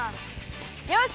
よし！